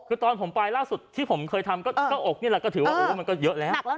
คือตอนผมไปล่าสุดที่ผมเคยทำก็อกนี่แหละก็ถือว่ามันก็เยอะแล้ว